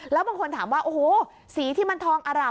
แล้วบางคนถามว่าโอ้โหสีที่มันทองอร่ำ